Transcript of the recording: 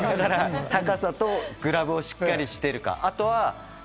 だから高さとグラブをしっかりしているか。